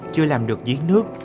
chưa làm được giếng nước